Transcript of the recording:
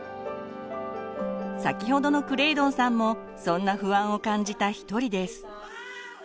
先ほどのクレイドンさんもそんな不安を感じた一人です。